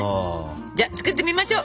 じゃあ作ってみましょう。